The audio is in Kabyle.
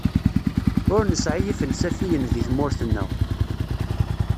Ur nesɛi ifelsafiyen deg tmurt-nneɣ.